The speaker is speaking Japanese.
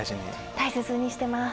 大切にしてます。